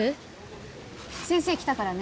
先生来たからね。